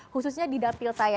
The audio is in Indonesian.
khususnya di dapil saya